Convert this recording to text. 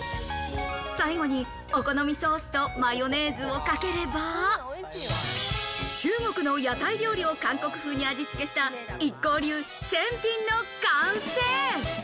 最後にお好みソースとマヨネーズをかければ、中国の屋台料理を韓国風に味つけしたＩＫＫＯ流チェンピンの完成。